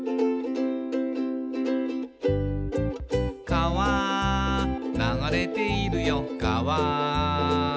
「かわ流れているよかわ」